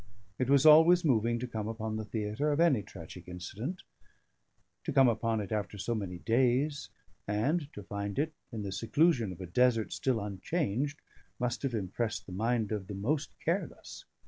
It was always moving to come upon the theatre of any tragic incident; to come upon it after so many days, and to find it (in the seclusion of a desert) still unchanged, must have impressed the mind of the most careless.